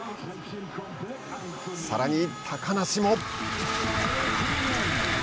さらに高梨も。